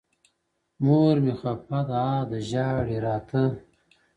مور مي خپه ده ها ده ژاړي راته ـ